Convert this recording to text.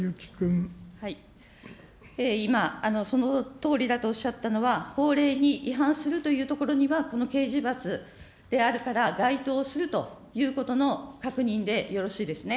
今、そのとおりだとおっしゃったのは、法令に違反するというところにはこの刑事罰であるから、該当するということの確認でよろしいですね。